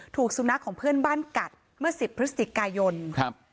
ถูกสุนัขของเพื่อนบ้านกัดเมื่อสิบพฤศจิกายนครับ